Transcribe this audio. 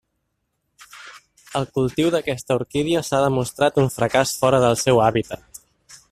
El cultiu d'aquesta orquídia s'ha demostrat un fracàs fora del seu hàbitat.